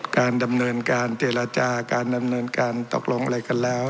การดำเนินการเจรจาการดำเนินการตกลงอะไรกันแล้ว